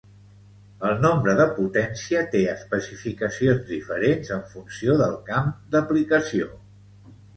El nombre de potència té especificacions diferents en funció del camp d'aplicació.